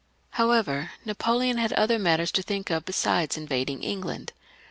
However, Napoleon had other matters to think of besides invading England.